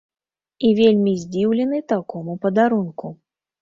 І вельмі здзіўлены такому падарунку.